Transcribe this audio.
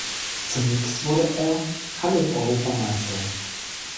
Zunächst wurde er Hallen-Europameister.